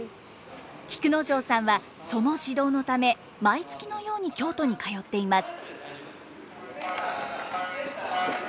菊之丞さんはその指導のため毎月のように京都に通っています。